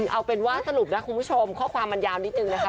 เอาเป็นว่าสรุปนะคุณผู้ชมข้อความมันยาวนิดนึงนะคะ